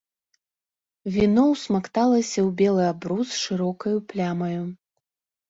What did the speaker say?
Віно ўсмакталася ў белы абрус шырокаю плямаю.